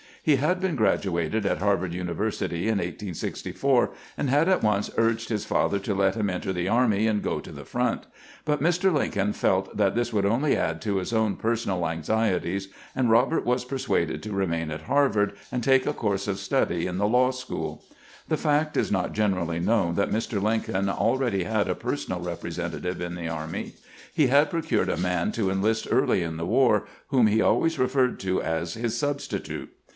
He had been graduated at Harvard University in 1864, and had at once urged his father to let him enter the army and go to the front ; but Mr. Lincdln felt that this would only add to his own personal anxieties, and Eob ert was persuaded to remain at Harvard and take a course of study in the law school. The fact is not gen erally known that Mr. Lincoln already had a personal representative in the army. He had procured a man to enlist early in the war, whom he always referred to as his " substitute."